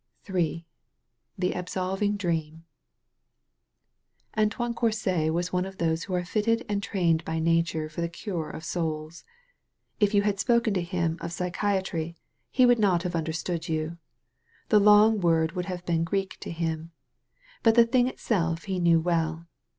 Ill THE ABSOLVING DREAM Antoine Coubct was one of those who are fitted and trained by nature for the cure of souls. If you had spoken to him of psychiatry he would not have understood you. The long word would have been Greek to him. But the thing itself he knew well.